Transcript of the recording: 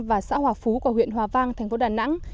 và xã hòa phú của huyện hòa vang thành phố đà nẵng